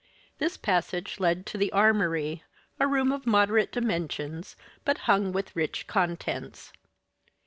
This passage led to the armory, a room of moderate dimensions, but hung with rich contents.